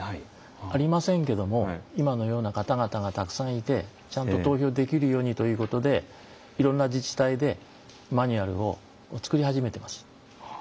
ありませんけども今のような方々がたくさんいてちゃんと投票できるようにということでいろんな自治体でマニュアルを作り始めてます。